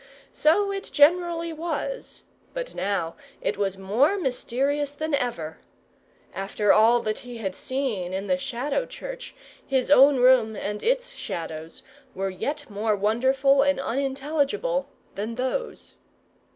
So it generally was, but now it was more mysterious than ever. After all that he had seen in the Shadow church, his own room and its Shadows were yet more wonderful and unintelligible than those.